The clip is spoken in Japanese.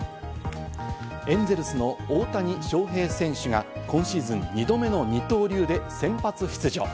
エンゼルスの大谷翔平選手が今シーズン２度目の二刀流で先発出場。